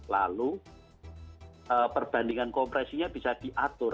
lalu perbandingan kompresinya bisa diatur